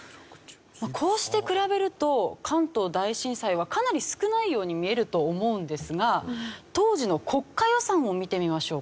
こうして比べると関東大震災はかなり少ないように見えると思うんですが当時の国家予算を見てみましょう。